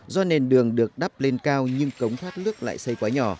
do nền đường được đắp lên cao nhưng cống thoát nước lại xây quá nhỏ